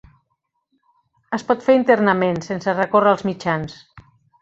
Es pot fer internament, sense recórrer als mitjans.